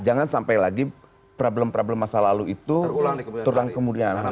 jangan sampai lagi problem problem masa lalu itu terulang kemudian